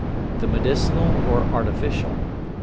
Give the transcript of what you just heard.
the medicinal or artificial.